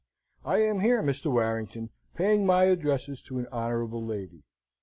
I am here, Mr. Warrington, paying my addresses to an honourable lady.